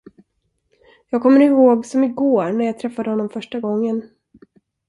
Jag kommer ihåg som i går när jag träffade honom första gången.